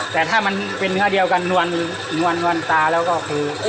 แต่ถ้ามันเป็นเนื้อเดียวกันนวลตาแล้วก็คือ